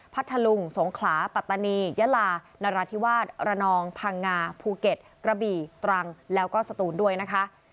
ทะลุงสงขลาปัตตานียะลานราธิวาสระนองพังงาภูเก็ตกระบี่ตรังแล้วก็สตูนด้วยนะคะ